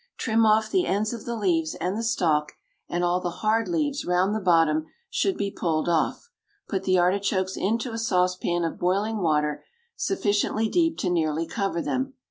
Trim off the ends of the leaves and the stalk, and all the hard leaves round the bottom should be pulled off. Put the artichokes into a saucepan of boiling water sufficiently deep to nearly cover them.